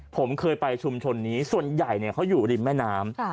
ผมเคยไปชุมชนนี้ส่วนใหญ่เขาอยู่ริมแม่น้ำ